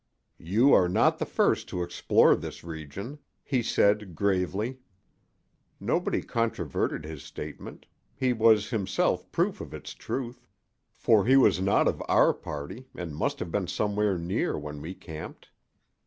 "You are not the first to explore this region," he said, gravely. Nobody controverted his statement; he was himself proof of its truth, for he was not of our party and must have been somewhere near when we camped.